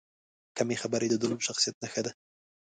کمې خبرې، د دروند شخصیت نښه ده.